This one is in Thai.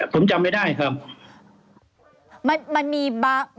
ผมจำไม่ได้ครับ